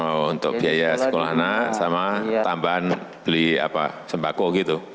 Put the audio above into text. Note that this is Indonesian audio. mau untuk biaya sekolah anak sama tambahan beli sembako gitu